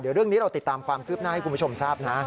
เดี๋ยวเรื่องนี้เราติดตามความคืบหน้าให้คุณผู้ชมทราบนะ